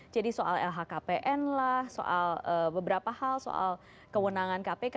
jadi soal lhkpn lah soal beberapa hal soal kewenangan kpk